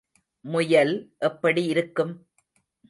முயல் எப்படி இருக்கும்?